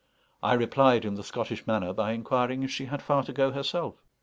I replied, in the Scottish manner, by inquiring if she had far to go herself.